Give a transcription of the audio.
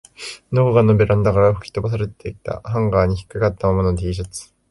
どこかのベランダから吹き飛ばされたハンガーに掛かったままの Ｔ シャツ